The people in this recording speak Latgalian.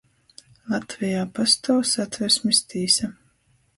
Latvejā pastuov Satversmis tīsa,